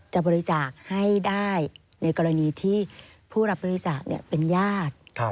จะบริจาคให้ได้ในกรณีที่ผู้รับบริจาคเป็นญาติ